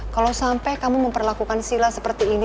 kalo sampe kamu memperlakukan sila seperti ini